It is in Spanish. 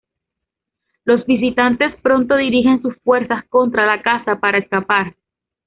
Los visitantes pronto dirigen sus fuerzas contra la casa para escapar.